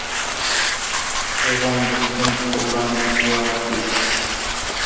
زغم د ستونزو پر وړاندې ځواک دی.